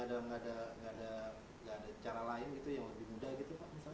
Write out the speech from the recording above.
tidak ada cara lain yang lebih mudah gitu pak